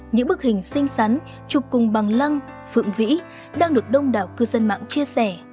những bức hình xinh xắn chụp cùng bằng lăng phượng vĩ đang được đông đảo cư dân mạng chia sẻ